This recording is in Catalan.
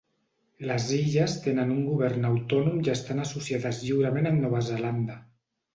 Les illes tenen un govern autònom i estan associades lliurement amb Nova Zelanda.